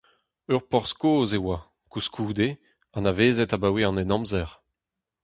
Ur porzh kozh e oa, koulskoude, anavezet abaoe an Henamzer.